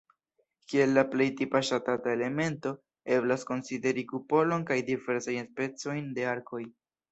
Kiel la plej tipa ŝatata elemento eblas konsideri kupolon kaj diversajn specojn de arkoj.